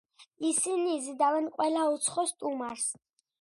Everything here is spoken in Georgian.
ისინი იზიდავენ ყველა უცხო სტუმარს.